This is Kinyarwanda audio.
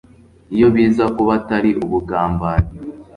iyo biza kuba atari ubugambanyi